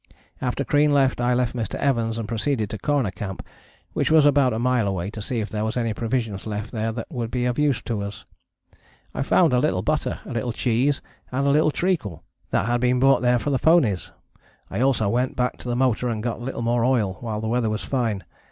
After Crean left I left Mr. Evans and proceeded to Corner Camp which was about a mile away, to see if there was any provisions left there that would be of use to us. I found a little butter, a little cheese, and a little treacle that had been brought there for the ponies. I also went back to the motor and got a little more oil while the weather was fine.